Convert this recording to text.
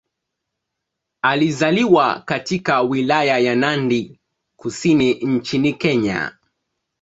Alizaliwa katika Wilaya ya Nandi Kusini nchini Kenya.